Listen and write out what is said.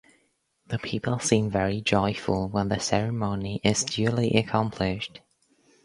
The people seem very joyful when the ceremony is duly accomplished.